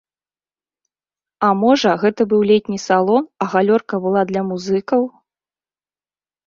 А можа, гэта быў летні салон, а галёрка была для музыкаў?